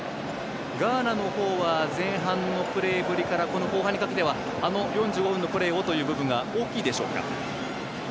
ガーナの方は前半のプレーぶりからこの後半にかけてはあの４５分のプレーをというところが大きいでしょうか？